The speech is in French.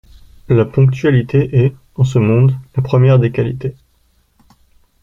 La ponctualité est, en ce monde, la première des qualités.